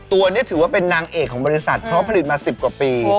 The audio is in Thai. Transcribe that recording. ตัวนี้ถือว่าเป็นนางเอกของบริษัทเพราะผลิตมา๑๐กว่าปี